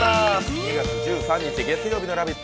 ２月１３日月曜日の「ラヴィット！」